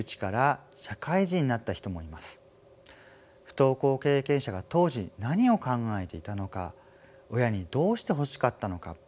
不登校経験者が当時何を考えていたのか親にどうしてほしかったのか。